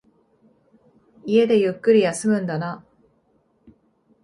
家でゆっくり休むんだな。